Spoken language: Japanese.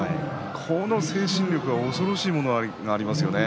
この精神力は恐ろしいものがありますよね。